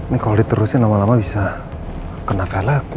nih kalau diterusin lama lama bisa kena velg